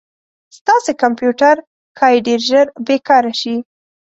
ستاسې کمپیوټر ښایي ډير ژر بې کاره شي